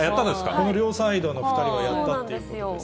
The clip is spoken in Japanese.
この両サイドの２人はやったっていうことで。